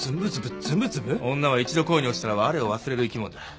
女は一度恋に落ちたらわれを忘れる生き物だ。